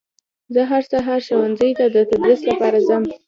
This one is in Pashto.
زه هر سهار ښوونځي ته در تدریس لپاره ځم